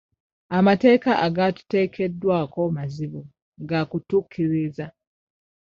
Amateeka agaatuteekeddwako mazibu gaakutuukiriza.